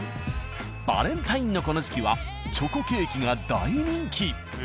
バレンタインのこの時期はチョコケーキが大人気。